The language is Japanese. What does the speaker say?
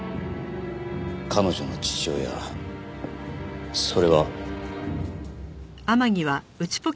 彼女の父親それは。